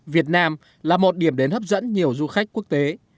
việt nam là một điểm đến hấp dẫn nhiều du khách quốc tế